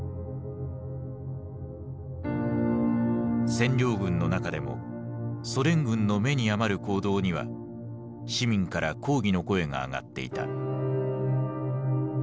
占領軍の中でもソ連軍の目に余る行動には市民から抗議の声が上がっていた。